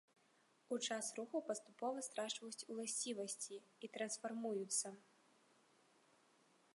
У час руху паступова страчваюць уласцівасці і трансфармуюцца.